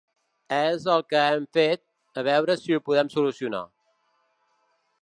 És el que hem fet, a veure si ho podem solucionar.